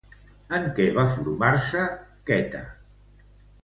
En què va formar-se Queta?